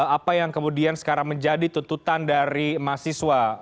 apa yang kemudian sekarang menjadi tuntutan dari mahasiswa